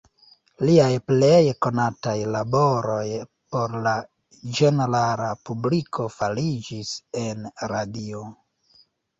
Liaj plej konataj laboroj por la ĝenerala publiko fariĝis en radio.